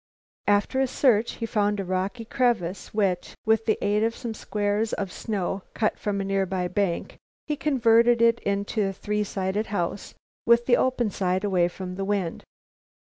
After a search, he found a rocky crevice which, by the aid of some squares of snow cut from a near by bank, he converted into a three sided house, with the open side away from the wind.